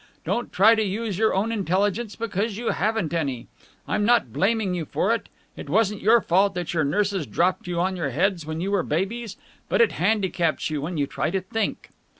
Don't try to use your own intelligence, because you haven't any. I'm not blaming you for it. It wasn't your fault that your nurses dropped you on your heads when you were babies. But it handicaps you when you try to think."